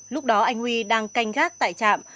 lúc đó anh huy đang canh gác tại trạm